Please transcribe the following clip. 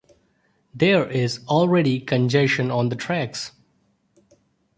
There is already congestion on the tracks.